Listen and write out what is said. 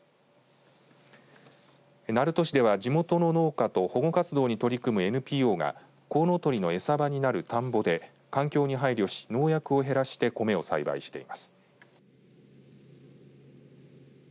鳴門市では地元の農家と保護活動に取り組むＮＰＯがこうのとりの餌場になる田んぼで環境に配慮し農薬を減らして米を栽培しています。